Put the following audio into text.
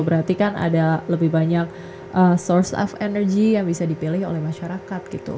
berarti kan ada lebih banyak source of energy yang bisa dipilih oleh masyarakat gitu